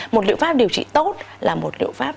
một liệu pháp điều trị tốt là một liệu pháp